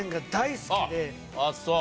あっそう。